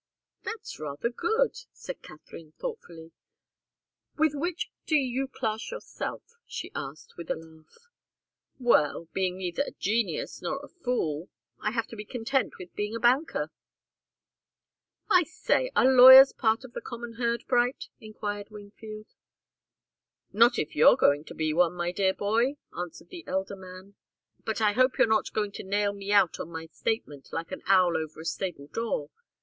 "That's rather good," said Katharine, thoughtfully. "With which do you class yourself?" she asked, with a laugh. "Well being neither a genius nor a fool, I have to be content with being a banker." "I say are lawyers part of the common herd, Bright?" enquired Wingfield. "Not if you're going to be one, my dear boy," answered the elder man. "But I hope you're not going to nail me out on my statement like an owl over a stable door.